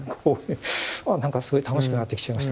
何かすごい楽しくなってきちゃいました。